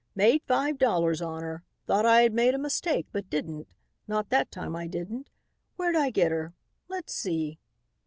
"Made five dollars on her. Thought I had made a mistake, but didn't; not that time I didn't. Where'd I get her? Let's see?"